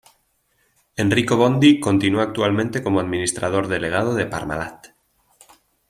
Enrico Bondi continúa actualmente como administrador delegado de Parmalat.